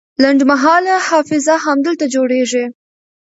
لنډمهاله حافظه همدلته جوړیږي.